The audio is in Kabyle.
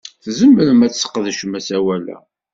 Tzemrem ad tesqedcem asawal-a.